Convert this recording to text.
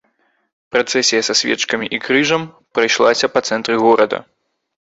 Працэсія са свечкамі і крыжам прайшлася па цэнтры горада.